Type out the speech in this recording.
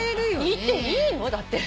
行っていいの？だって。